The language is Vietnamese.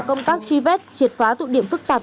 công tác truy vết triệt phá tụ điểm phức tạp